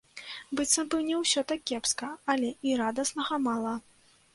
Быццам бы не ўсё так кепска, але і радаснага мала.